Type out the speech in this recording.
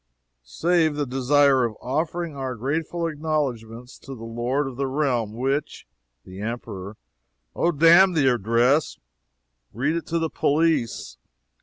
"Save the desire of offering our grateful acknowledgments to the lord of a realm which " The Emperor "Oh, d n the Address! read it to the police.